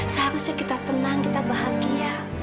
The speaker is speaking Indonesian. seharusnya kita tenang kita bahagia